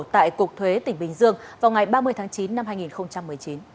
tại cục thuế tỉnh bình dương vào ngày ba mươi tháng chín năm hai nghìn một mươi chín